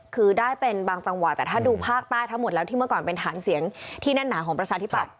คือได้เป็นบางจังหวะแต่ถ้าดูภาคใต้ทั้งหมดแล้วที่เมื่อก่อนเป็นฐานเสียงที่แน่นหนาของประชาธิปัตย